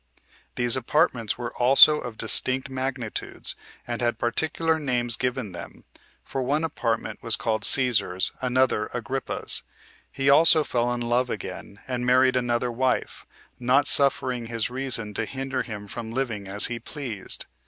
These apartments were also of distinct magnitudes, and had particular names given them; for one apartment was called Cæsar's, another Agrippa's. He also fell in love again, and married another wife, not suffering his reason to hinder him from living as he pleased.